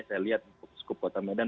saya lihat skup kota medan